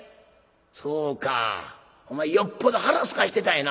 「そうかお前よっぽど腹すかしてたんやな。